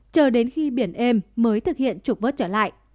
chờ đến khi biển êm mới thực hiện trục vớt trở lại